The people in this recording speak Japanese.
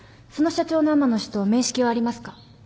その社長の阿万野氏と面識はありますか？